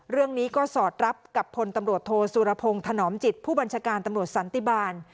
เรื่องนี้ก็สอดรับกับพลตำรวจโทสุรพงศ์ถนอมจิตผู้บัญชาการตำรวจสันติบาล